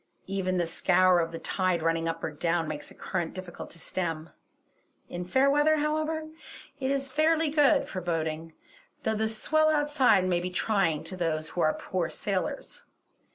Even the scour of the tide running up or down makes a current difficult to stem. In fair weather, however, it is fairly good for boating; though the swell outside may be trying to those who are poor sailors.